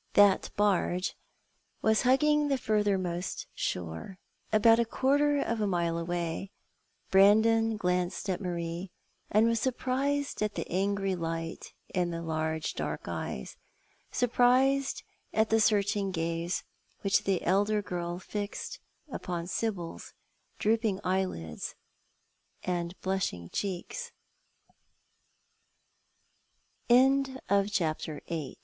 That barge " was hugging the furthermost shore, about a quarter of a mile away. Brandon glanced at Marie, and was surprised at the angry light in the largo dark eyes; surprised at the searching gaze which the elder girl fixed upon Sibyl's drooping